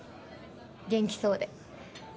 元気そうで。